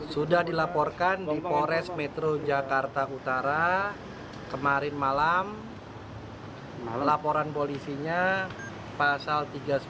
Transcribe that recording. sudah dilaporkan di pores metro jakarta utara kemarin malam laporan polisinya pasal tiga ratus sepuluh